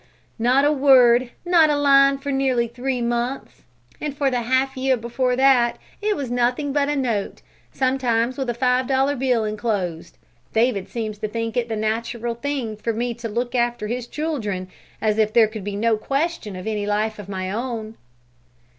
"Not a word, not a line for nearly three months, and for the half year before that it was nothing but a note, sometimes with a five dollar bill enclosed. David seems to think it the natural thing for me to look after his children; as if there could be no question of any life of my own."